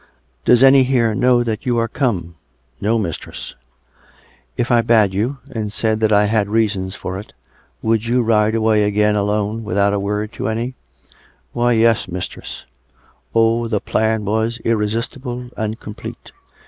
" Does any here know that you are come.^ "" Noj mistress." COME RACK! COME ROPE! 3S5 " If I bade you, and said that I had reasons for it, you would ride away again alone, without a word to any ?"" Why, yes, mistress !" (Oh ! the plan was irresistible and complete.